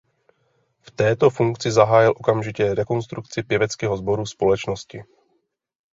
V této funkci zahájil okamžitě rekonstrukci pěveckého sboru Společnosti.